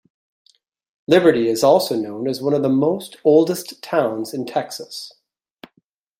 Liberty is also known as one of the most oldest towns in Texas.